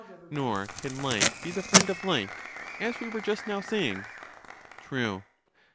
Nor can like be the friend of like, as we were just now saying. True.